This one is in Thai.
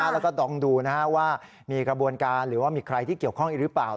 แล้วก็ดองดูว่ามีกระบวนการหรือว่ามีใครที่เกี่ยวข้องอีกหรือเปล่า